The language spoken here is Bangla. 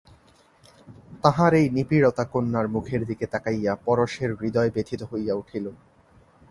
তাঁহার এই নিপীড়িতা কন্যার মুখের দিকে তাকাইয়া পরেশের হৃদয় ব্যথিত হইয়া উঠিল।